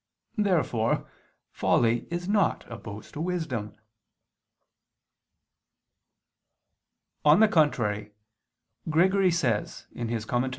Therefore folly is not opposed to wisdom. On the contrary, Gregory says (Moral.